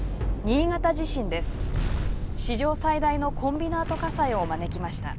史上最大のコンビナート火災を招きました。